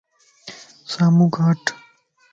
سامو کان ھٽ